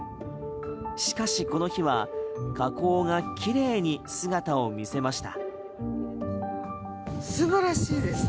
しかしこの日は火口が綺麗に姿を見せました。